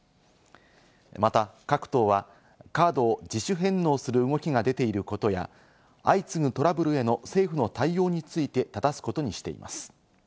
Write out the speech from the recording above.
また、各党はカードを自主返納する動きが出ていることや、相次ぐトラブルへの政府の対応についてただすことにしています。